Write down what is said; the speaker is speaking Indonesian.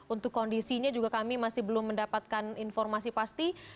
untuk kondisinya juga kami masih belum mendapatkan informasi pasti